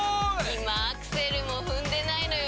今アクセルも踏んでないのよ